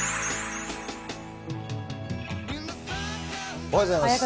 おはようございます。